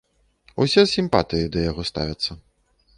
Усе з сімпатыяй да яго ставяцца.